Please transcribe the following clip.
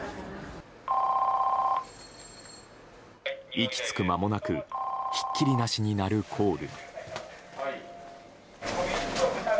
息つく間もなくひっきりなしに鳴るコール。